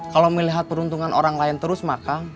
kalau melihat peruntungan orang lain terus mah kang